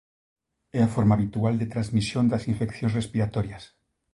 É a forma habitual de transmisión das infeccións respiratorias.